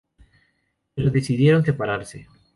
Pero decidieron separarse.